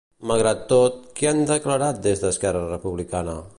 Malgrat tot, què han declarat des d'Esquerra Republicana?